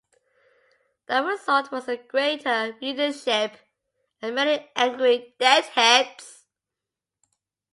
The result was a greater readership and many angry Deadheads.